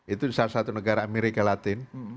itu di salah satu negara amerika latin